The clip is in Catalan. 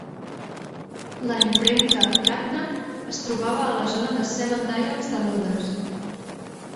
La impremta, Catnach, es trobava a la zona de Seven Dials de Londres.